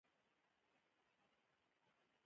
وچيښم